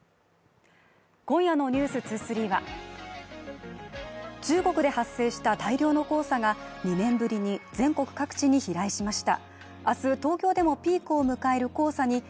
今夜の「ｎｅｗｓ２３」は中国で発生した大量の黄砂が２年ぶりに全国各地に飛来しました。